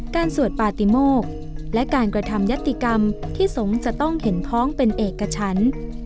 สวดปาติโมกและการกระทำยัตติกรรมที่สงฆ์จะต้องเห็นพ้องเป็นเอกชั้น